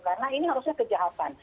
karena ini harusnya kejahatan